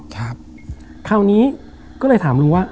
คราวนี้ก็เลยถามลุงว่า